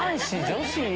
女子？